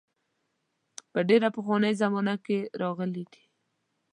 په ډېره پخوانۍ زمانه کې راغلي دي.